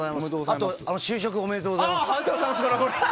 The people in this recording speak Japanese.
あと、就職おめでとうございます。